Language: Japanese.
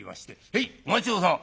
「へいお待ち遠さま」。